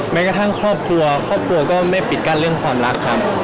แม้กระทั่งครอบครัวครอบครัวก็ไม่ปิดกั้นเรื่องความรักครับ